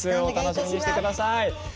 お楽しみにしてください。